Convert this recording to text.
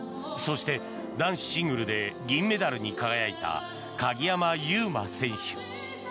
そして、男子シングルで銀メダルに輝いた鍵山優真選手。